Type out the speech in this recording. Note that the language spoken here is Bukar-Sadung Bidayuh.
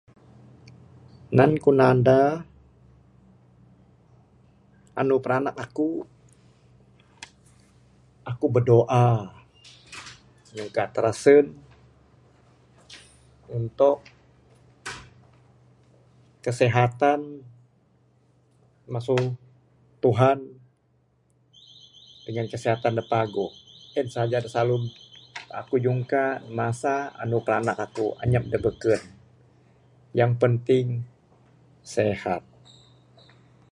Nan ku'k nanda andu beranak aku'k, aku'k berdoa nyungka tirasun, untuk kesihatan masu Tuhan dengan kesihatan da paguh. En' saja da slalu aku'k ngungka masa andu beranak aku'k. Anyap da beken. Yang penting, sehat.